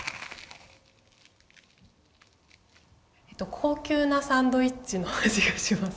こうきゅうなサンドイッチの味がします。